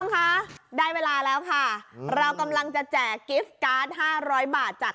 คะได้เวลาแล้วค่ะเรากำลังจะแจ้กิฟคาตทห้าร้อยบาทจาก